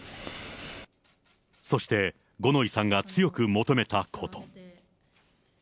そして、五ノ井さんが強く求めたこと。